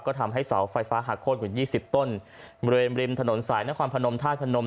ก็ทำให้เสาไฟฟ้าหักโค้นกว่ายี่สิบต้นบริเวณริมถนนสายนครพนมธาตุพนม